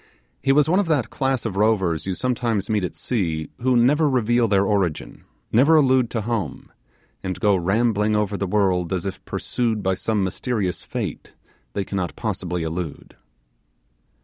He was one of that class of rovers you sometimes meet at sea, who never reveal their origin, never allude to home, and go rambling over the world as if pursued by some mysterious fate they cannot possibly elude.